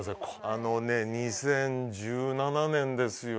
あのね２０１７年ですよ。